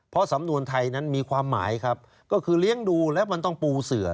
เพราะสำนวนไทยนั้นมีความหมายครับก็คือเลี้ยงดูแล้วมันต้องปูเสือ